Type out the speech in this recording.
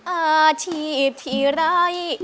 อาชีพที่ไร้